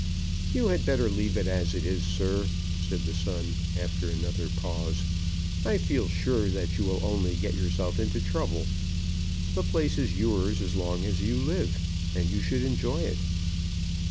"You had better leave it as it is, sir," said the son, after another pause. "I feel sure that you will only get yourself into trouble. The place is yours as long as you live, and you should enjoy it."